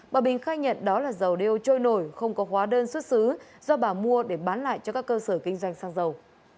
bà bình khai nhận đó là dầu đeo trôi nổi không có hóa đơn xuất xứ do bà mua để bán lại cho các cơ sở kinh doanh xăng dầu